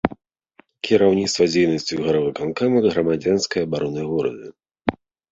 Кіраўніцтва дзейнасцю гарвыканкама, грамадзянскай абаронай горада.